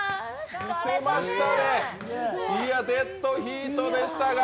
疲れたデッドヒートでしたが。